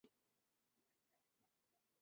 两人前往蜜桃姐姐徐荔枝并结为好友。